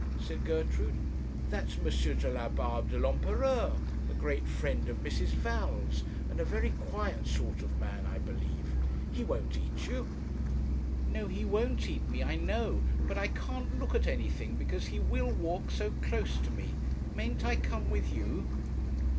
said Gertrude. 'That's M. Delabarbe de l'Empereur, a great friend of Mrs. Val's, and a very quiet sort of man, I believe; he won't eat you.' 'No, he won't eat me, I know; but I can't look at anything, because he will walk so close to me! Mayn't I come with you?'